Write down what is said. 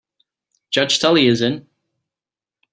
Judge Tully is in.